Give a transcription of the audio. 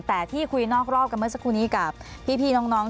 แต่ที่คุยนอกรอบกันเมื่อสักครู่นี้กับพี่น้อง